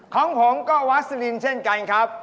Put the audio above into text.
ของผมก็วัสลินเช่นกันครับ